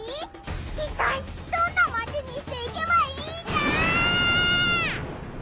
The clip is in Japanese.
いったいどんなマチにしていけばいいんだ！？